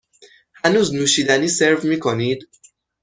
هنوز نوشیدنی سرو می کنید؟